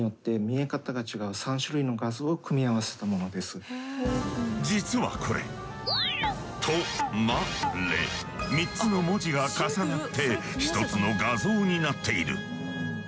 これは実はこれ「と」「ま」「れ」３つの文字が重なって一つの画像になっている。